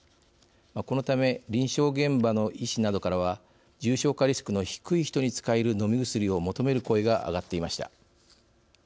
このため臨床現場の医師などからは重症化リスクの低い人に使える飲み薬を求める声が上がっていました。